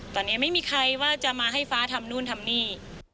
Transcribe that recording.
ตอนนี้ไม่มีใครว่าจะมาให้ฟ้าทำนู่นทำนี่